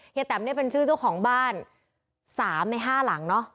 แตมเนี่ยเป็นชื่อเจ้าของบ้าน๓ใน๕หลังเนอะ